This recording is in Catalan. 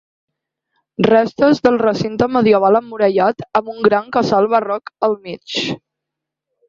Restes del recinte medieval emmurallat amb un gran casal barroc al mig.